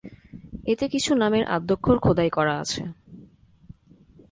এতে কিছু নামের আদ্যক্ষর খোদাই করা আছে।